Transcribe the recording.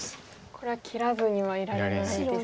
これは切らずにはいられないですか。